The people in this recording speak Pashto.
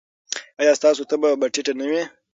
ایا ستاسو تبه به ټیټه نه وي؟